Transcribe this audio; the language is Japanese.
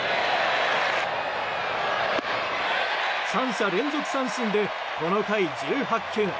３者連続三振でこの回１８球。